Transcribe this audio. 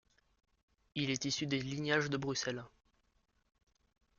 Il est issu des Lignages de Bruxelles.